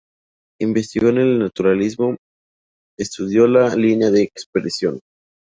Investigó en el naturalismo, estudió la línea como expresión.